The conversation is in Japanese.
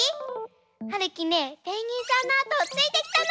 はるきねペンギンさんのあとをついてきたの！